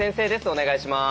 お願いします。